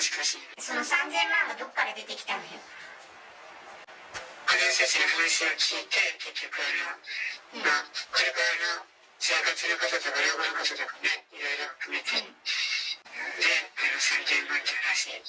その３０００万はどこから出私たちの話を聞いて、結局これからの生活のこととか、老後のこととか、いろいろ考えて、３０００万って話に。